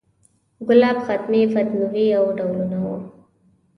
ګلاب، ختمي، فتوني یې ډولونه و.